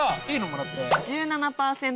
もらって。